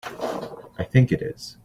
I think it is.